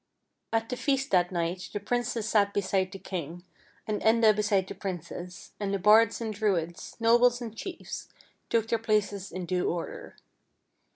At the feast that night the princess sat beside the king, and Enda beside the princess, and the bards and Druids, nobles and chiefs, took their places in due order.